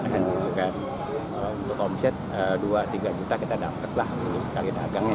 dan juga untuk omzet dua tiga juta kita dapat lah untuk sekali dagangnya